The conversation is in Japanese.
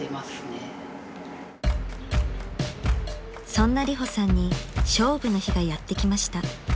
［そんなリホさんに勝負の日がやってきました］